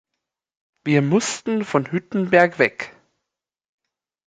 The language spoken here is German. Wir mussten von Hüttenberg weg.